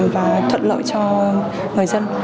và thuận lợi cho người dân